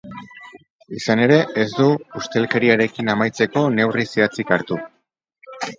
Izan ere, ez du ustelkeriarekin amaitzeko neurri zehatzik hartu.